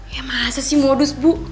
ya masa sih modus bu